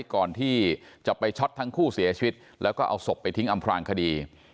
ก่อนที่จะไปช็อตทั้งคู่เสียชีวิตแล้วก็เอาศพไปทิ้งอำพลางคดี